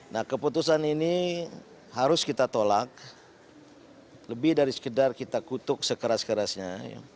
nah keputusan ini harus kita tolak lebih dari sekedar kita kutuk sekeras kerasnya